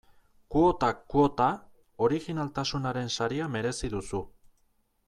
Kuotak kuota, orijinaltasunaren saria merezi duzu.